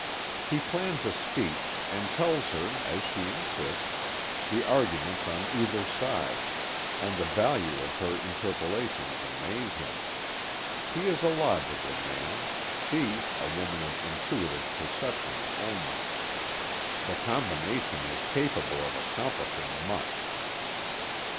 He plans a speech and tells her, as she insists, the arguments on either side, and the value of her interpolations amaze him. He is a logical man; she, a woman of intuitive perceptions only. The combination is capable of accomplishing much.